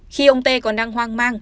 khi ông t còn đang hoang mang